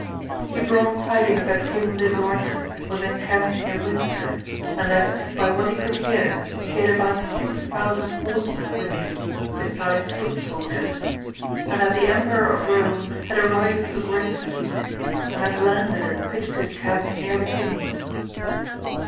He brought tidings that King Lisuarte was encamped near Windsor, and that, by what he could hear, he had about six thousand horsemen with him, besides foot soldiers ; and that the emperor of Rome had arrived with a great fleet, and had landed and pitched his camp near the king's.